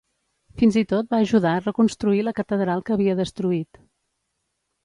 Fins i tot va ajudar a reconstruir la catedral que havia destruït.